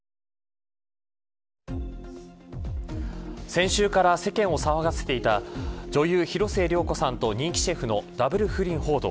先週から世間を騒がせていた女優、広末涼子さんと人気シェフのダブル不倫報道。